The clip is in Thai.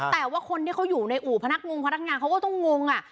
แต่ว่าคนที่เขาอยู่ในอู่พนักงงพนักงานเขาก็ต้องงงอ่ะ